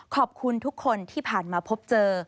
ขอบคุณทุกคนที่ผ่านมาพบเจอ